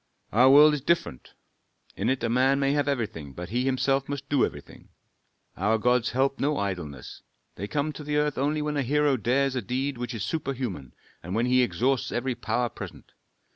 "Our world is different: in it a man may have everything, but he himself must do everything. Our gods help no idleness. They come to the earth only when a hero dares a deed which is superhuman and when he exhausts every power present.